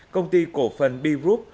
công ty cổ phần b group